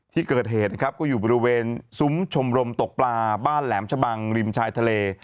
ที่เกิดเหตุนะครับก็อยู่บริเวณซุ้มชมรมตกปลาบ้านแหลมชะบังริมชายทะเล